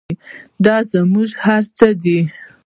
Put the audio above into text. دا زموږ هر څه دی؟